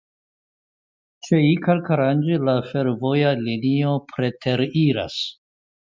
Ĉe Icalkaranĝi la fervoja linio preteriras.